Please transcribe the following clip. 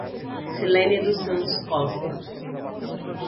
Cilene dos Santos Costa